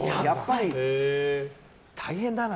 大変だな。